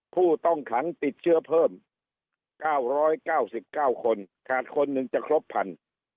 ผู้ต้องขังติดเชื้อเพิ่มเก้าร้อยเก้าสิบเก้าคนขาดคนหนึ่งจะครบพัน